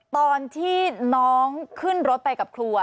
ตอนที่น้องขึ้นรถไปกับครัว